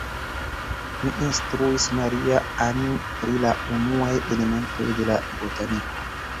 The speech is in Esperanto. Mi instruis Maria-Ann pri la unuaj elementoj de la botaniko.